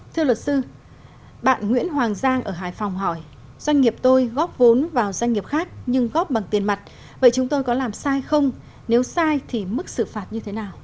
thưa luật sư bạn nguyễn hoàng giang ở hải phòng hỏi doanh nghiệp tôi góp vốn vào doanh nghiệp khác nhưng góp bằng tiền mặt vậy chúng tôi có làm sai không nếu sai thì mức xử phạt như thế nào